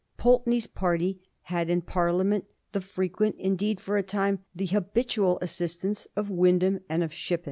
Pulteney's party had in Parliament the frequent, indeed for a time the habitual, assistance of Wyndham and of Shippen.